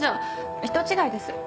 人違いです。